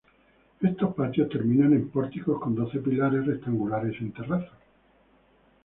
Estos patios terminan en pórticos con doce pilares rectangulares en terraza.